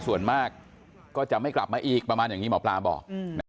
ส่วนมากก็จะไม่กลับมาอีกประมาณอย่างนี้หมอปลาบอก